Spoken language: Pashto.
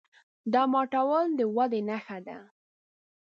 دا ماتول د ودې نښه ده.